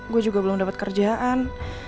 gue juga belum dapat kerjaan